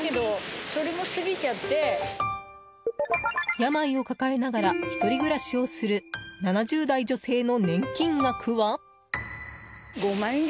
病を抱えながら１人暮らしをする７０代女性の年金額は？